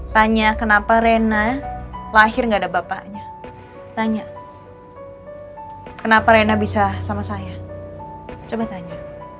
tanya kenapa reina lahir nggak ada bapaknya tanya kenapa rena bisa sama saya coba tanya